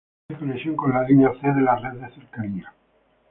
Ofrece conexión con la línea C de la red de cercanías.